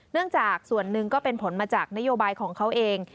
จากส่วนหนึ่งก็เป็นผลมาจากนโยบายของเขาเอง